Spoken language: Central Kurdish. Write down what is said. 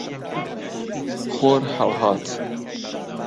خۆر هەڵهات.